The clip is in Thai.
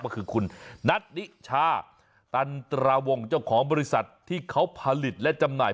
ก็คือคุณนัทนิชาตันตราวงเจ้าของบริษัทที่เขาผลิตและจำหน่าย